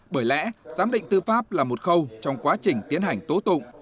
bởi lẽ giám định tư pháp là một khâu trong quá trình tiến hành tố tụng